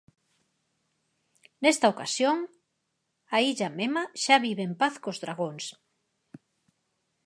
Nesta ocasión, a illa Mema xa vive en paz cos dragóns.